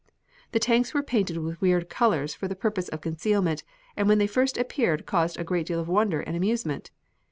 The tanks were painted with weird colors for the purpose of concealment, and when they first appeared caused a great deal of wonder and amusement.